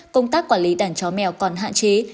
công tác quản lý đàn chó mèo còn hạn chế